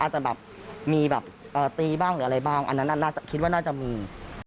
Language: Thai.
อาจจะแบบมีแบบตีบ้างหรืออะไรบ้างอันนั้นน่าจะคิดว่าน่าจะมี